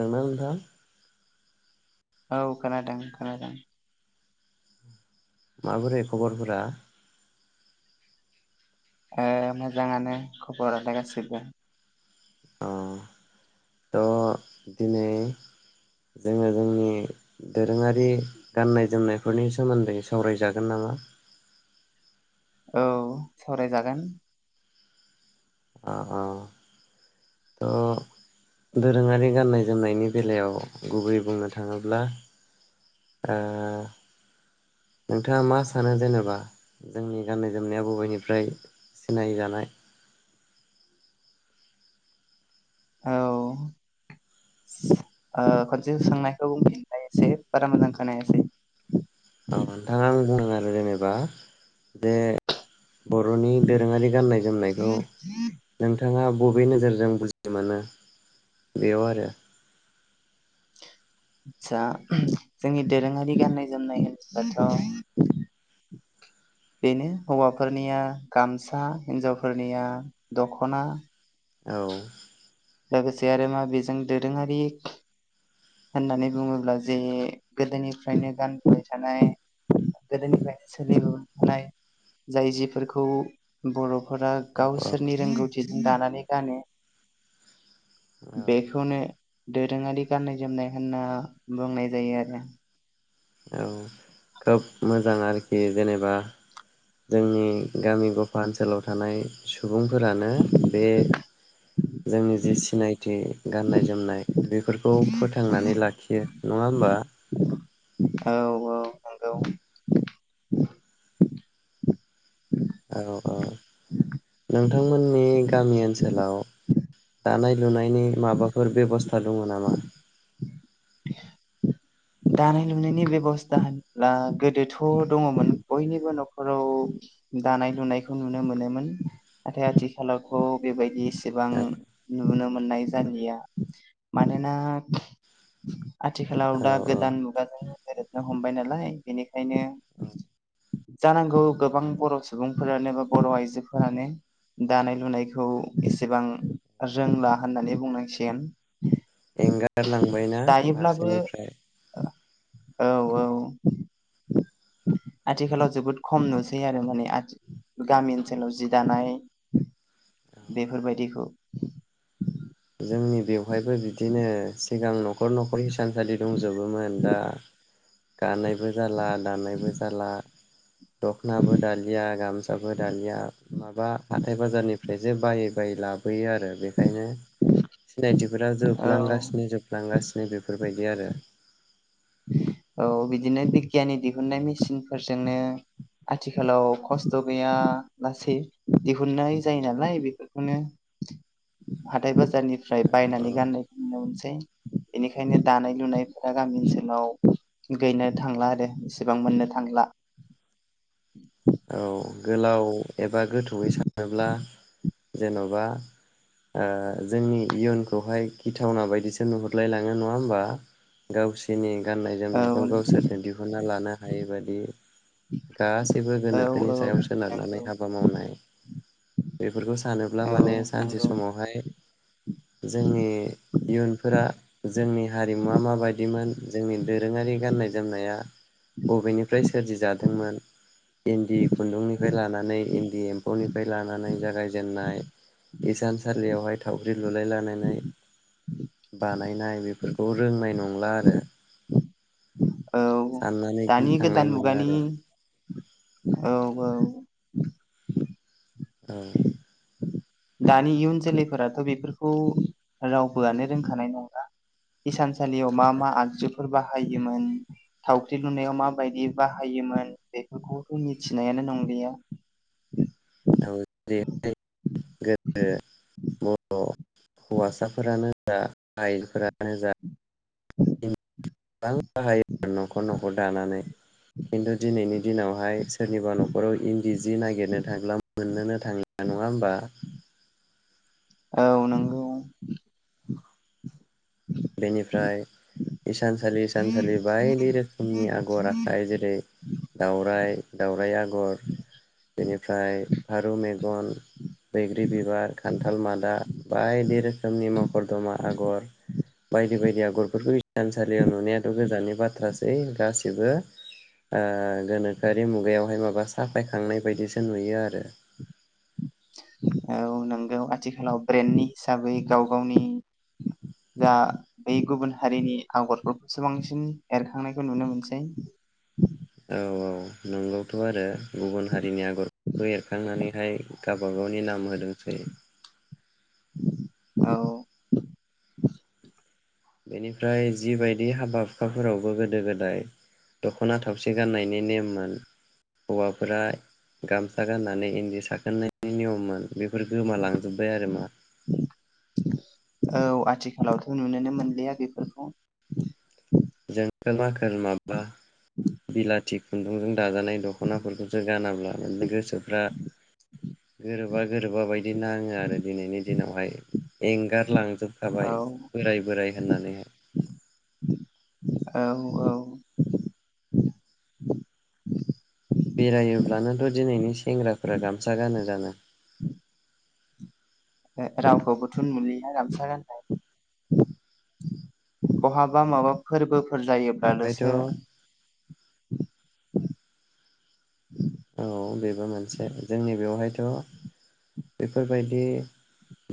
नोंना नोंथां औ खोनादों खोनादों माबोरै खबरफोरा मोजाङानो खबरलाय गासैबो अ थ' दिनै जोङो जोंनि दोरोङारि गाननाय जोमनायफोरनि सोमोन्दै सावरायजागोन नामा औ सावरायजागोन अ अ थ' दोरोङारि गाननाय जोमनायनि बेलायाव गुबैयै बुंनो थाङोब्ला नोंथाङा मा सानो जेनेबा जोंनि गाननाय जोमनाया बबेनिफ्राय सिनाय जानाय औ खनसे सोंनायखौ बुंफिनल एसे बारा मोजां खोनायासै अ नोंथां जेनेबा बे बर'नि दोरोङारि गाननाय जोमनायखौ नोंथाङा बबे नोजोरजों बुजि मोनो बेयाव आरो आदसा जोंनि दोरोङारि गाननाय जोमनायफथ' बेनो हौवाफोरनिया गामसा हिनजावफोरनिया दख'ना औ लोगोसे आरो मा बेजों दोरोङारि होननानै बुङोब्ला जे गोदोनिफ्रायनो गानबोबाय थानाय गोदोनिफ्रायनो सोलिबोबाय थानाय जाय जिफोरखौ बर' फोरा औ गावसोरनि रोंगौथि दानानै गानो बेखौनो दोरोङारि गाननाय जोमनाय होनना बुंनाय जायो आरो औ खोब मोजां आरोखि जेनेबा जोंनि गामि गफा ओनसोलाव थानाय सुबुंफोरानो बे जोंनि जि सिनाय थि गाननाय जोमनाय बेफोरखौ फोथांनानै लाखियो नङा होमबा औ औ नंगौ औ औ नोंथांमोननि नुनाय नि माबाफोर बेब'स्था दङ नामा दानाय लुनायनि बेब'स्था होनब्ला गोदोथ' दङमोन बयनिबो न'खराव दानाय लुनायखौ नुनो मोनोमोन नाथाय आथिखालावथ' बेबायदि सेबां औ नु नुनो मोननाय जलिया मानोना आथिखालाव दा औ औ गोदान मुगाजोंनो गोरदनो हमबाय नालाय बेनिखायनो जानांगौ गोबां बर' सुबुंफोरानो बा बर' आइजोफोरानो दानाय लुनायखौ एसेबां रोंला होननानै बुंनांसिगोन एंगारलांबायना दायोब्लाबो फारसेनिफ्राय औ औ आथिखालाव जोबोद खम नुसै आरो माने गामि ओनसोलाव जि दानाय औ बेफोरबायदिखौ जोंनि बेवहायबो बिदिनो सिगां न'खर न'खर हिसाबै हिसानसालि दंजोबोमोन दा गानायबो जाला दानायबो जाला दख'नाबो दालिया गामसाबो दालिया माबा हाथाय बाजारनिफ्राय बेसे बायै बायै लाबोयो आरो बेखायनो सिनायथिफोरा औ जोबलांगासिनो जोबलांगासिनो बेफोर बेबायदि आरो औ बिदिनो बिगियाननि दिहुननाय मेसिनफोरजोंनो आथिखालाव खस्थ' गैया लासै दिहुननाय जायो नालाय बेफोरखौनो हाथाय बाज बारनिफ्राय बायनानै औ गाननाय सै बेनिखायनो दानाय लुनायफोरा गामि ओनसोल लाव गैनो थांला आरो इसेबां मोननो थांला औ गोलाव एबा गोथौयै सानोब्ला जेन'बा ओ जोंनि इयुनखौहाय गिथावना बायदिसो नुहुरलायलाङो नङा होमबा गावसोरनि गाननाय औ जोमनायखौ गावसोरनो दिहुनना लानो हायैबायदि गासैबो औ गोनोखोनि औ सायाव नंगौ सोनारनानै हाबा मावनाय बेफोरखौ सानोब्ला औ माने सानसे नंगौ समावहाय जोंनि इयुनफोरा जोंनि हारिमुवा माबायदिमोन जोंनि दोरोङारि गाननाय जोमनाया बबेनिफ्राय सोरजिजादोंमोन इन्दि खुन्दुंनिफ्राय लानानै इन्दि एम्फौनिफ्राय लानानै जागायजेनन्नाय इसानसालियावहाय थावख्रि लुलाय लायनानै बानायनाय बेफोरखौ रोंनाय नंला आरो औ साननानै दानि गिखांनाय गोदान मोनो मुगानि आरो औ औ औ दानि इयुन जोलैफोराथ' बेफोरखौ रावबोआनो रोंखानाय नंला इसान थानसालियाव मा मा आगजुफोर बा बाहायोमोन थावख्रि लुनायाव माबायदि बाहायोमोन बेफोरखौथ' मिथिनायानो नंलिया औ बर' हौवासाफोरानो जा आइफोरानो जा गोबां बाहायो आरो न'खर न'खर दानानै खिन्थु दिनैनि दिनावहाय सोरनिबा न'खराव इन्दि जि नागिरनो थांब्लामोननोनो थांला नङा होमबा औ नंगौ बेनिफ्राय इसानसालि सानसालि बायदि रोखोमनि आगर आखाइ जेरै दउराइ दाउराइ आगर बेनिफ्राय फारौ मेगन बैग्रि बिबार खान्थाल मादा बायदि रोखोमनि मखरदमा आगर बायदि बायदि आगरफोरखौ थानसालियाव नुनायाथ' गोजाननि बाथ्रासै गासिबो गोनोखोआरि मुगायावहाय माबा साफायखांनाय बायदिसो नुयो आरो औ नोंगौ आथिखालाव ब्रेन्डनि हिसाबै गाव गावनि जा बै गुबुन हारिनि आगरफोरखौसो बांसिन एरखांनायखौ नुनो मोनसै औ औ नंगौथ' आरो गुबुन हारिनि आगरखौ एरखांनानैहाय गावबागावनि नाम होदोंसै औ बेनिफ्राय जिबायदि हाबा हुखाफोरावबो गोदो गोदाय दख'ना थावसि गाननायनि नेममोन हौवाफोरा गामसा गाननानै इन्दि साखोननायनि नियममोन बेफोर गोमालांजोब्बाय आरो मा औ आथिखालावथ' नुुनोनो मोनलिया बेफोरखौ जोंखोल माखोल बिलाथि खुन्दुंजों दाजानाय दख'नाफोरखौसो गानाब्ला गोसोफ्रा गोरोबा गोरोबा बायदि नाङो आरो दिनैनि दिनावहाय एंगारलांजोब औ खाबाय बोराय बोराय होननानै औ औ बेरायोब्लानोथ' दिनैनि सेंग्राफोरा गामसा गानो जानो रावखौ बोथु नुलिया गामसा गाननाय बहाबा माबा फोरबो फोर ओमफ्रायथ' जायोब्लानोसो औ बेबो मोनसे जोंनि बेवहायथ' बेफोरबायदि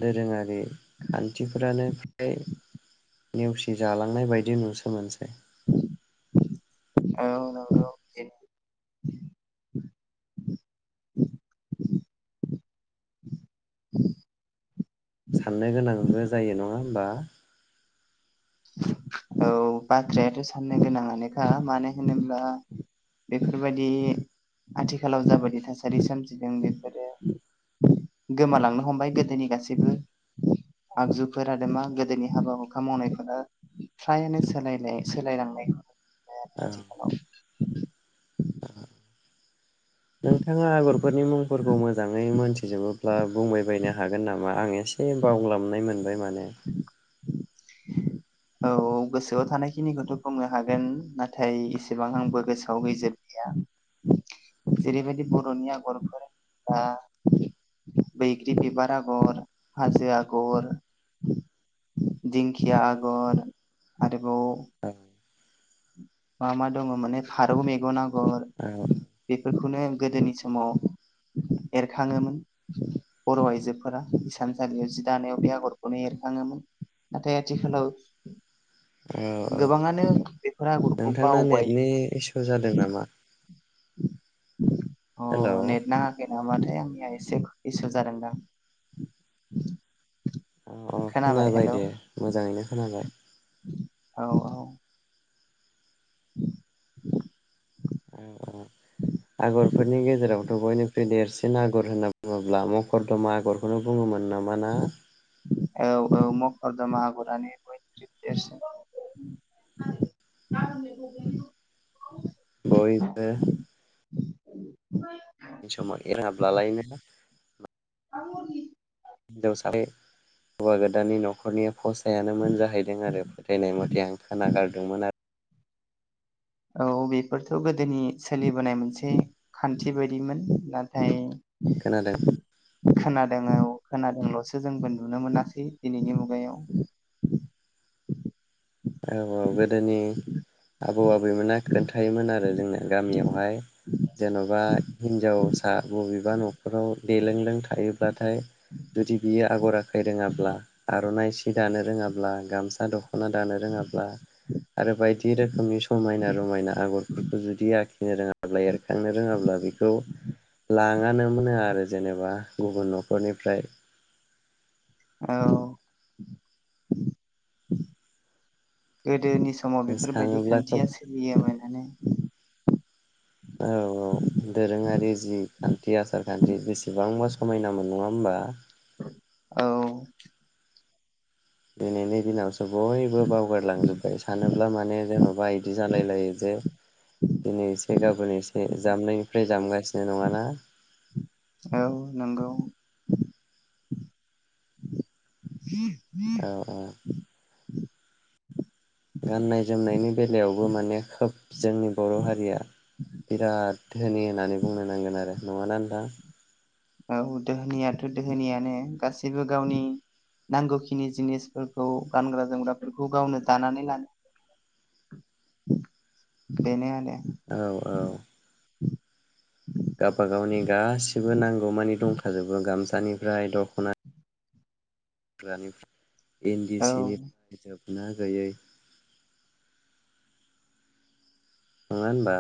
दोरोङारि खान्थिफोरानो फ्राय नेवसि जालांनाय बायदि नुसोमोनसै औ साननो गोनांबो जायो नङा होनबा औ बाथ्रायाथ' साननो गोनाङानोखा मानो होनोब्ला बेफोरबायादि आथिखालाव जाबायदि थासारि सोमजिदों बेफोरो गोमालांनो हमबाय गोदोनि गासैबो आगजुफोर आरो मा गोदोनि हाबा हुखा मावनायफोरा फ्रायानो सोलाय सोलाय लांनाय खौ औ नुयो आथिखालाव [inaudible] नोंथाङा आगरफोरनि मुंफोरखौ मोजाङै मोनथिजोबोब्ला बुंबायबायनो हागोन नामा आं एसे बावलाबनाय मोनदों मोन माने औ गोसोआव थानायखिनिखौथ' बुंनो हागोन नाथाय एसेबां आंबो गोसोआव गैजोबलिया जेरैबायदि बर'नि आगरफोरा बैग्रि बिबार आगर हाजो आगर दिंखिया आगर आरोबाव मा मा दङ माने फारौ मेगन आगर औ बेफोरखौनो गोदोनि समाव एरखाङोमोन बर' आइजोफोरा इसानसालियाव जि दानायाव बे आगरखौनो एरखाङोमोन नाथाय आथिखालाव औ औ गोबाङानो बेफोर आगर नोंथांना नेटनि इसु जादों नामा [unintelligible] अ नेट नाङाखै नामाथाय आंनिया एसे इसोर जादों दां अ अ खोनाबाय दे मोजाङैनो खोनाबाय औ औ [unintelligible] औ औ आगरफोरनि गेजेरावथ' बयनिख्रुइ देरसिन आगर होनना बुङोब्ला मखरदमा आगरखौनो बुङोमोन नमा ना औ ओ मखरदमा आगरानो बयनिख्रुइबो देरसिन बयबो [unintelligible] बि समाव एरहाब्लालायनो दा हरनि हिनजावसानि हौवा गोदाननि न'खरनि फसायानोमोन जाहैदों आरो फोथायनाय मथे आं खोनागारदोंमोन आरो औ बेफोरथ' गोदोनि सोलिबोनाय मोनसे खान्थि बायदिमोन नाथाय खोनादों खोनादों औ खोनादोंल'सो जोंबो नुनो मोनाखै दिनैनि मुगायाव औ औ गोदोनि आबौ आबैमोना खोन्थायोमोन आरो जोंना गामियावहाय जेन'बा हिनजावसा आ बबेबा न'खराव देलों लों थायोब्लाथाय जुदि बियो आगर आखै रोङाब्ला आर'नाइ सि दानो रोङाब्ला गामसा दख'ना दानो रोङाब्ला आरो बायदि रोखोमनि समायना रमायना आगरफोरखौ जुदि आखि बिदिनो रोंआब्ला एर थांनो रोङाब्ला बेखौ लां लाङा मोन नो आरो जेनेबा गुबुन न'खरनिफ्राय औ गोदोनि बे समाव बेफोरबायदि गोसोखाङोब्ला खोब खान्थिया सोलियोमोन नानो औ औ दोरोङारि जि खान्थि आसार खान्थि बेसेबांबा समायनामोन नङा होमबा औ बेनिनो दिनाव बयबो बावगारलांजोबबाय सानोब्ला माने जेन'बा बिदि जालाय लायो जे दिनै एसे गाबोन एसे जाननायनिफ्राय जानलाय सिनाय नङाना औ नंगौ ह औ औ [inaudible] गाननाय जोमनायनि बेलायावबो माने खोब जोंनि बर' हारिया बिराद धोनि होननानै बुंनो नांगोन आरो नङाना नोंथां औ दोहोनियाथ' दोहोनियानो गासैबो गावनि नांगौखिनि जिनिसफोरखौ गानग्रा जोमग्राफोरखौ गावनो दानानै लानो बेनो आरो औ औ [inaudible] गावबागावनि गासिबो नांगौमानि दंखाजोबो गामसानिफ्राय दख'ना जोमग्रानिफ्राय इनदि सि औ निफ्राय जो नो गोयै नङा होनबा